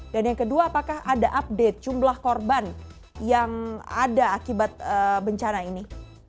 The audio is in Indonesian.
dan yang kedua apakah ada update jumlah korban yang ada akibat bencana ini